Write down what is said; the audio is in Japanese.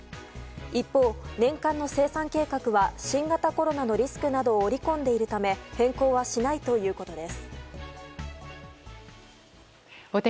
一方、年間の生産計画は新型コロナのリスクなどを織り込んでいるため変更はしないということです。